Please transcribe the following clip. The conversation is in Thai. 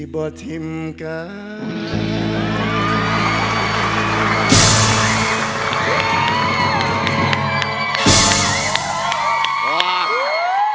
ขอบคุณมาก